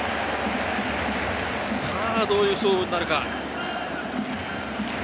どういう勝負になるか。